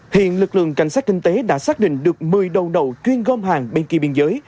hiện lực lượng cảnh sát kinh tế đã xác định được một mươi đầu đầu chuyên gom hàng bên kia biên giới